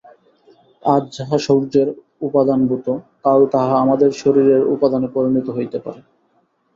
আজ যাহা সূর্যের উপাদানভূত, কাল তাহা আমাদের শরীরের উপাদানে পরিণত হইতে পারে।